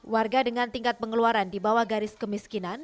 warga dengan tingkat pengeluaran di bawah garis kemiskinan